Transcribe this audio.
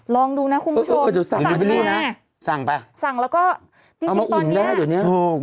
ลองดูนะคุณผู้ชมสั่งมาสั่งแล้วก็เอามาอุ่นได้ตอนนี้